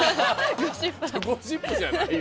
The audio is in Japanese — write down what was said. ゴシップじゃないよ。